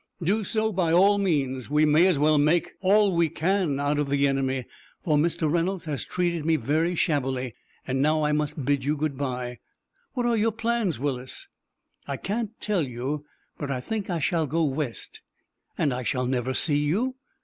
"Do so by all means. We may as well make all we can out of the enemy, for Mr. Reynolds has treated me very shabbily. And now I must bid you good by." "What are your plans, Willis?" "I can't tell you, but I think I shall go West." "And I shall never see you!"